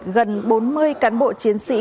gần bốn mươi cán bộ chiến sĩ